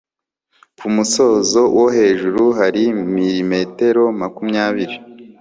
ku musozo wo hejuru hari milimetero makumyabiri